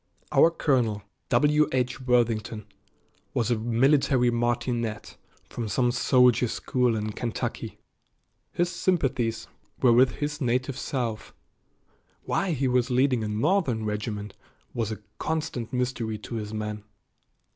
Our colonel, W. H. Worthington, was a military martinet from some soldier school in Kentucky. His sympathies were with his native South. Why he was leading a Northern regiment was a constant mystery to his men.